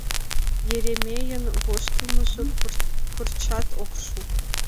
— Еремейын воштылмыжо пырчат ок шу.